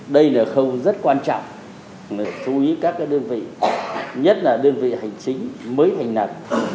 đây là khâu rất quan trọng chú ý các đơn vị nhất là đơn vị hành chính mới thành lập